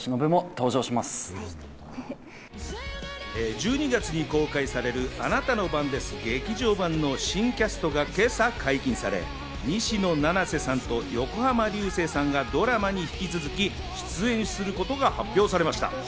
１２月に公開される『あなたの番です劇場版』の新キャストが今朝解禁され、西野七瀬さんと横浜流星さんがドラマに引き続き出演することが発表されました。